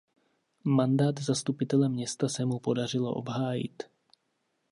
Mandát zastupitele města se mu podařilo obhájit.